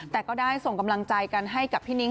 แต่ก็ได้ส่งกำลังใจกันให้กับพี่นิ้ง